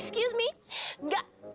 excuse me enggak